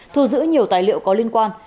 thu giữ nhiều tài liệu có liên quan